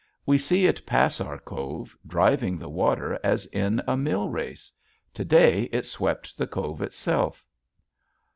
We see it pass our cove driving the water as in a mill race. To day it swept the cove itself.